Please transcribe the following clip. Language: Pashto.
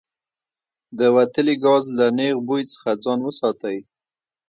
د وتلي ګاز له نیغ بوی څخه ځان وساتئ.